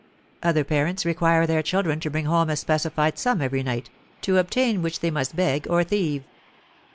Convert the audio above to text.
Other parents require their children to bring home a specified sum every night, to obtain which they must beg or thieve.